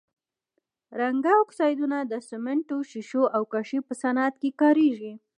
رنګه اکسایدونه د سمنټو، ښيښو او کاشي په صنعت کې کاریږي.